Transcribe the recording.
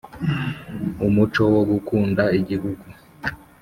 umuco wo gukunda Igihugu